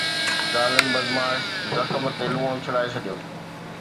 ظالم بدمعاش زخم تي لوڻ اڇلائي ڇڏيو